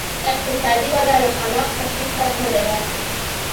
اقتصادي وده له خلاق تخریب سره مله وه